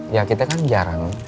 ya kita kan jarang